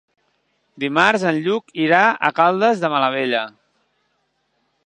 Dimarts en Lluc irà a Caldes de Malavella.